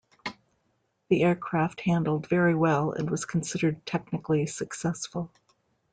The aircraft handled very well and was considered technically successful.